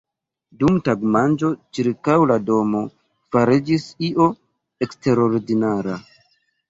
Dum tagmanĝo ĉirkaŭ la domo fariĝis io eksterordinara.